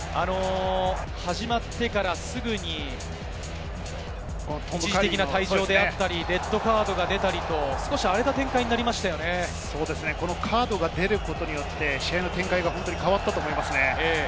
始まってからすぐに一時的な退場出たり、レッドカードも出たり荒カードが出ることによって試合の展開が変わったと思います。